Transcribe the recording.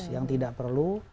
yang tidak perlu